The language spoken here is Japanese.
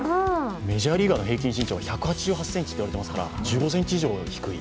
メジャーリーガーの平均身長が１８０ｃｍと言われていますから、１５ｃｍ以上低い。